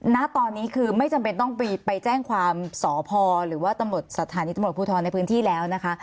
ณตอนนี้คือไม่จำเป็นต้องไปแจ้งความสพหรือว่าตำรวจสถานีตำรวจภูทรในพื้นที่แล้วนะคะ